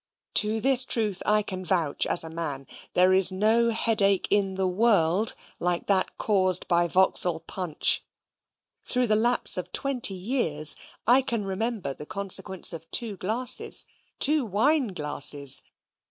To this truth I can vouch as a man; there is no headache in the world like that caused by Vauxhall punch. Through the lapse of twenty years, I can remember the consequence of two glasses! two wine glasses!